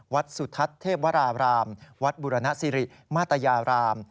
สุทัศน์เทพวรารามวัดบุรณสิริมาตยาราม